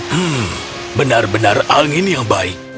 hmm benar benar angin yang baik